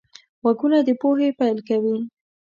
غوږونه د پوهې پیل کوي